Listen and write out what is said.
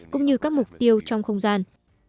cũng như các mục tiêu trong không gian